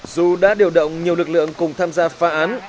dù đã điều động nhiều lực lượng cùng tham gia phá án